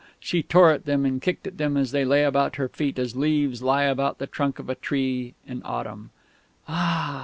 She tore at them, and kicked them as they lay about her feet as leaves lie about the trunk of a tree in autumn.... "Ah!"